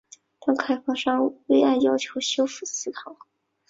但开发商未按要求修复祠堂。